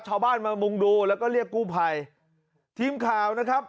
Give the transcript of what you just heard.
ชาวบ้านมามุงดูแล้วก็เรียกกู้ภัยทีมข่าวนะครับ